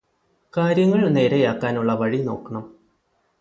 കാര്യങ്ങള് നേരെയാക്കാനുള്ള വഴി നോക്കണം